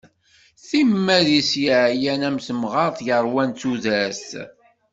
Timmad-is yeɛyan am temɣart yeṛwan tudert.